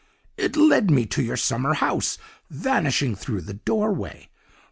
'It led me to your summer house, vanishing through the doorway.